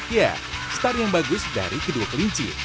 ya star yang bagus dari kedua kelinci